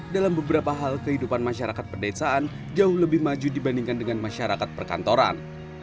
dalam beberapa hal kehidupan masyarakat perdesaan jauh lebih maju dibandingkan dengan masyarakat perkantoran